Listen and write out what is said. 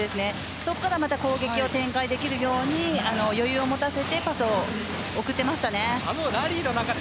そこから攻撃を展開できるように余裕を持たせてパスを送っていました。